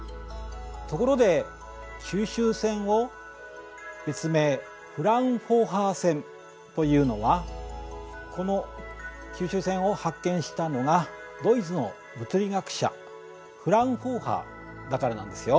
ところで吸収線を別名フラウンホーファーというのはこの吸収線を発見したのがドイツの物理学者フラウンホーファーだからなんですよ。